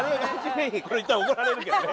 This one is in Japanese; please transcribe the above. これ言ったら怒られるけどね。